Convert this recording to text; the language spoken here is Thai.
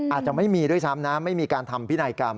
อาจจะไม่มีด้วยซ้ำนะไม่มีการทำพินัยกรรม